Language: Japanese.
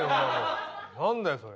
何だよそれ。